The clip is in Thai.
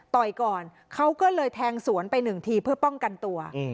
ก่อนเขาก็เลยแทงสวนไปหนึ่งทีเพื่อป้องกันตัว